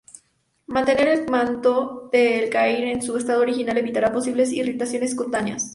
Mantener el manto del Cairn en su estado original evitará posibles irritaciones cutáneas.